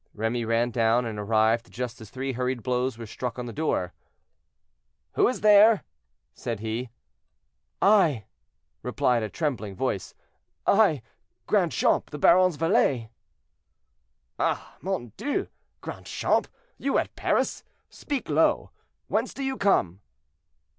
Remy ran down and arrived just as three hurried blows were struck on the door. "Who is there?" said he. "I!" replied a trembling voice, "I, Grandchamp, the baron's valet." "Ah! mon Dieu! Grandchamp, you at Paris! speak low! Whence do you come?"